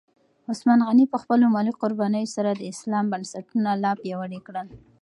عثمان غني په خپلو مالي قربانیو سره د اسلام بنسټونه لا پیاوړي کړل.